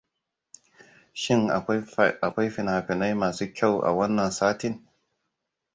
Shin akwai finafinai masu kyau a wannan satin?